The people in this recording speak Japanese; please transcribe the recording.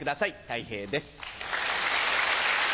たい平です。